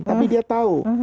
tapi dia tahu